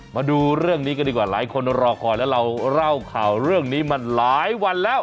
มาดูเรื่องนี้กันดีกว่าหลายคนรอคอยแล้วเราเล่าข่าวเรื่องนี้มาหลายวันแล้ว